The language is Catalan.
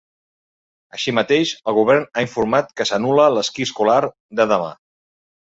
Així mateix, el govern ha informat que s’anul·la l’esquí escolar de demà.